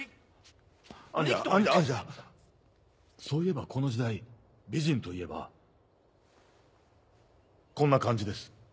そういえばこの時代美人といえばこんな感じです。